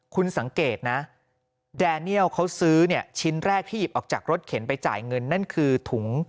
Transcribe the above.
คุณสังเกตนะแดเนียลเขาซื้อชิ้นแรกที่หยิบออกจากรถเข็นไปจ่ายเงินนั่นคือถุง